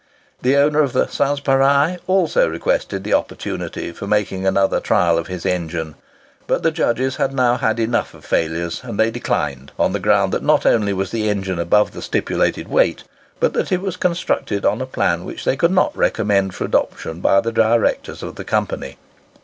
The owner of the "Sanspareil" also requested the opportunity for making another trial of his engine. But the judges had now had enough of failures; and they declined, on the ground that not only was the engine above the stipulated weight, but that it was constructed on a plan which they could not recommend for adoption by the directors of the Company.